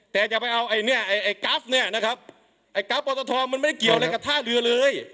แต่จะไปเอาไอ้เนี่ยไอ้กราฟเนี่ยนะครับไอ้กราฟปอตทมันไม่ได้เกี่ยวอะไรกับท่าเรือเลย